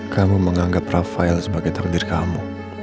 kamu menganggap rafael sebagai takdir kamu